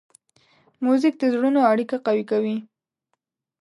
موزیک د زړونو اړیکه قوي کوي.